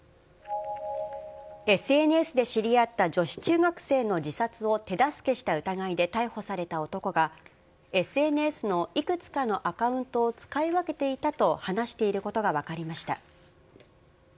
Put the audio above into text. ＳＮＳで知り合った女子中学生の自殺を手助けした疑いで逮捕された男が、ＳＮＳのいくつかのアカウントを使い分けていたと話していることが分かりました。